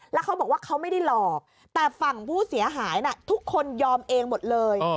แล้วเขาบอกว่าเขาไม่ได้หลอกแต่ฝั่งผู้เสียหายทุกคนยอมเองหมดเลย